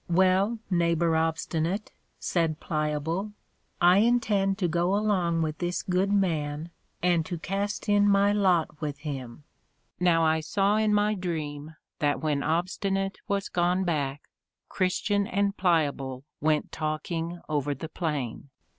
Well, Neighbor Obstinate, said Pliable, I intend to go along with this good man, and to cast in my lot with him. Now I saw in my Dream, that when Obstinate was gone back, Christian and Pliable went talking over the Plain.